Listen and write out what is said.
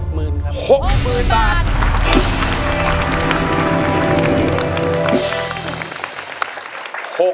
๖หมื่นครับบาท